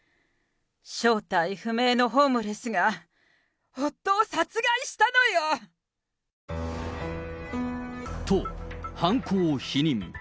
正体不明のホームレスが夫を殺害したのよ。と、犯行を否認。